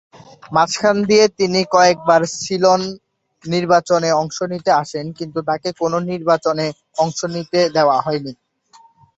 মাঝখান দিয়ে তিনি কয়েকবার সিলন এসে নির্বাচনে অংশ নিতে আসেন কিন্তু তাকে কোনো নির্বাচনে অংশ নিতে দেওয়া হয়নি।